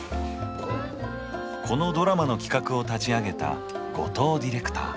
このドラマの企画を立ち上げた後藤ディレクター。